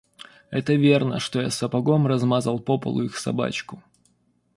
Это верно, что я сапогом размазал по полу их собачку.